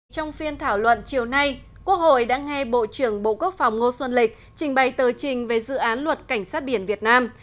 trong phiên thảo luận chiều nay quốc hội đã nghe bộ trưởng bộ quốc phòng ngô xuân lịch trình bày tờ trình về dự án luật cảnh sát biển việt nam